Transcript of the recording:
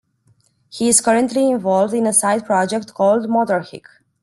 He is currently involved in a side project called "Motorhick".